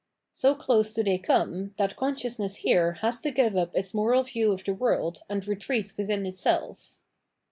So close do they come, that consciousness here has to give up its moral view of the world and retreat within itself.